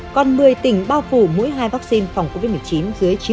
còn một mươi tỉnh bao phủ mỗi hai vaccine phòng covid một mươi chín dưới chín mươi